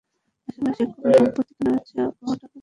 আসলে সে করে সম্পত্তি কেনাবেচা ও টাকা ধার দেওয়া।